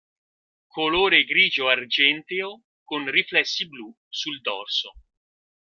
Colore grigio argenteo con riflessi blu sul dorso.